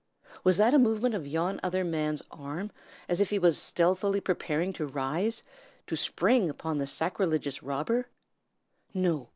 Was that a movement of yon other man's arm, as if he were stealthily preparing to rise, to spring upon the sacrilegious robber? No!